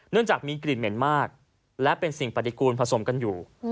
จากมีกลิ่นเหม็นมากและเป็นสิ่งปฏิกูลผสมกันอยู่